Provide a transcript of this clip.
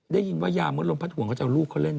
ได้ยินว่ายามดลมพัดห่วงเขาจะเอาลูกเขาเล่น